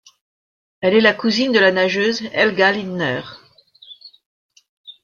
Elle est la cousine de la nageuse Helga Lindner.